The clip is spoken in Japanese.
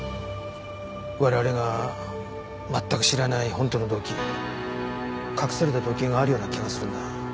我々が全く知らない本当の動機隠された動機があるような気がするんだ。